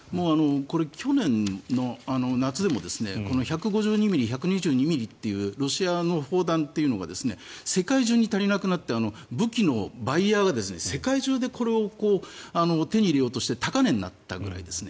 これ去年の夏でもこの１５２ミリ１２２ミリというロシアの砲弾というのが世界中に足りなくなって武器のバイヤーは、世界中でこれを手に入れようとして高値になったぐらいですね。